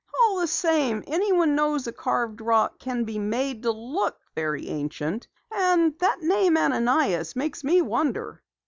"All the same, anyone knows a carved rock can be made to look very ancient. And that name Ananias makes me wonder."